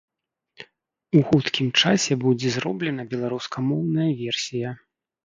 У хуткім часе будзе зроблена беларускамоўная версія.